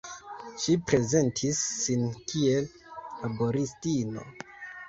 Ŝi prezentis sin kiel laboristino.